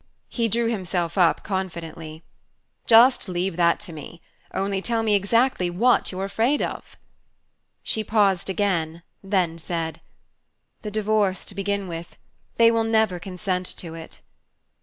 He drew himself up confidently. "Just leave that to me only tell me exactly what you're afraid of." She paused again, and then said: "The divorce, to begin with they will never consent to it."